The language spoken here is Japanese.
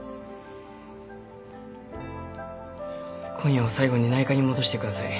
今夜を最後に内科に戻してください。